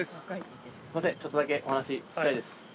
すいませんちょっとだけお話聞きたいです。